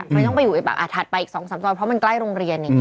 มันต้องไปอยู่แบบถัดไปอีก๒๓ซอยเพราะมันใกล้โรงเรียนอย่างนี้